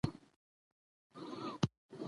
الف: محکوم علیه ب: حاکم ج: محکوم علیه د: ټوله سم دي